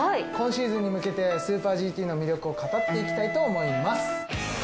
今シーズンに向けてスーパーＧＴの魅力を語っていきたいと思います。